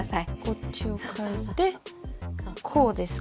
こっちをかえてこうですか？